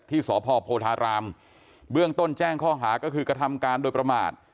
ที่สพโพธารามเบื้องต้นแจ้งข้อหาก็คือกระทำการโดยประมาท